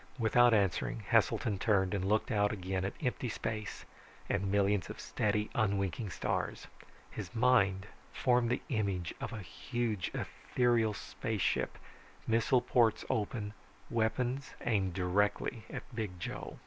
Without answering, Heselton turned and looked out again at empty space and millions of steady, unwinking stars. His mind formed an image of a huge, ethereal spaceship, missile ports open, weapons aimed directly at Big Joe.